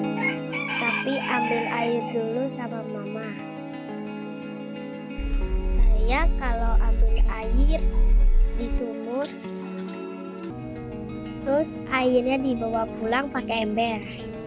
terus tapi ambil air dulu sama mama saya kalau ambil air di sumur terus airnya dibawa pulang pakai ember